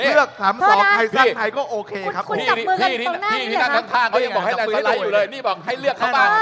เลือกภักดิ์๓๒ไท้สร้างไทยก็โอเค